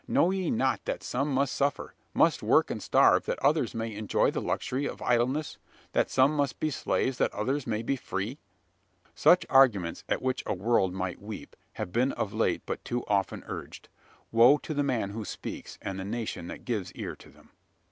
Know ye not that some must suffer must work and starve that others may enjoy the luxury of idleness? That some must be slaves, that others may be free?" Such arguments at which a world might weep have been of late but too often urged. Woe to the man who speaks, and the nation that gives ear to them!